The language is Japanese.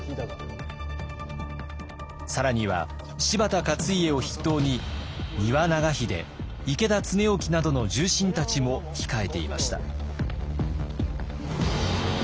更には柴田勝家を筆頭に丹羽長秀池田恒興などの重臣たちも控えていました。